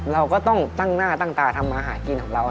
เราก็ต้องตั้งหน้าตั้งตาทำมาหากินของเรา